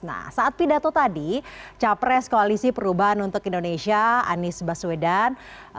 nah saat pidato tadi capres koalisi perubahan untuk indonesia anies baswedan